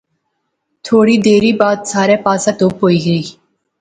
تھوڑی دیر بعد سارے پاسے تہوپ ہوئی غئی